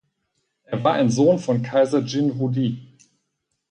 Er war ein Sohn von Kaiser Jin Wudi.